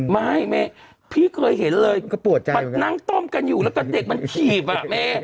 ไม่พี่เคยเห็นเลยมันนั่งต้มกันอยู่แล้วก็เด็กมันถีบอ่ะแม่